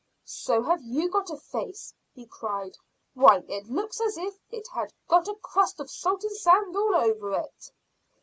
"So have you got a face," he cried. "Why, it looks as if it had got a crust of salt and sand all over it."